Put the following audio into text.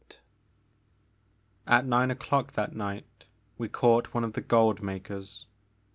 AT nine o'clock that night we caught one of the Goldmakers.